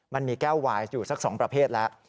มันมีแก้ววายอยู่สัก๒ประเภทแล้ว